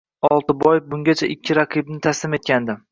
Oltiboyev bungacha ikki raqibni taslim etgandi